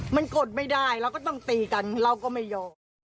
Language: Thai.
มันกดไม่ได้เราก็ต้องตีกันเราก็ไม่ยอม